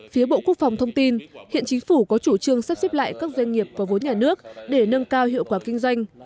phía bộ quốc phòng thông tin hiện chính phủ có chủ trương sắp xếp lại các doanh nghiệp có vốn nhà nước để nâng cao hiệu quả kinh doanh